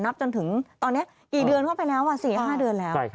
จนถึงตอนนี้กี่เดือนเข้าไปแล้ว๔๕เดือนแล้ว